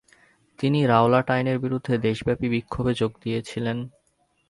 তিনি রাওলাট আইনের বিরুদ্ধে দেশব্যাপী বিক্ষোভে যোগ দিয়েছিলেন।